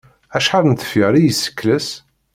Acḥal n tefyar i yessekles?